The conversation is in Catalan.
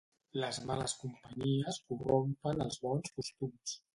Les males companyies corrompen els bons costums.